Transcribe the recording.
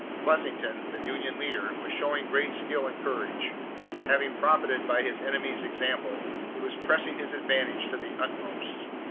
Pleasanton, the Union leader, was showing great skill and courage. Having profited by his enemy's example, he was pressing his advantage to the utmost.